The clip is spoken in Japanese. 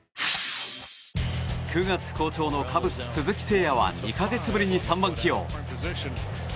９月好調のカブス、鈴木誠也は２か月ぶりに３番起用。